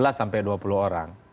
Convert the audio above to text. lima belas sampai dua puluh orang